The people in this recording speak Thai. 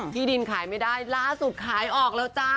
ที่ดินขายไม่ได้ล่าสุดขายออกแล้วจ้า